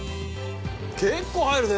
結構入るね。